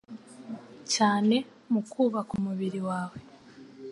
cyane mu kubaka umubiri wawe.